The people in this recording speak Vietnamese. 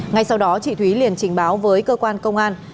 ngay sau đó chị thúy liền trình báo với cơ quan công an